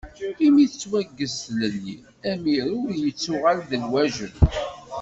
Imi tettwaggez tlelli, amirew yettuɣal d lwaǧeb.